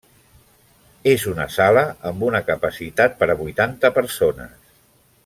És una sala amb una capacitat per a vuitanta persones.